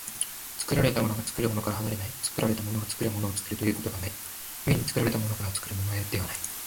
作られたものが作るものから離れない、作られたものが作るものを作るということがない、故に作られたものから作るものへではない。